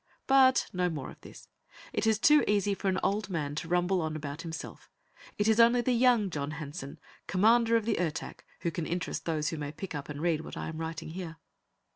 But no more of this; it is too easy for an old man to rumble on about himself. It is only the young John Hanson, Commander of the Ertak, who can interest those who may pick up and read what I am writing here.